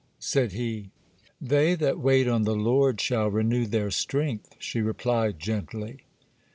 said he. 'They that wait on the Lord shall renew their strength,' she replied, gently.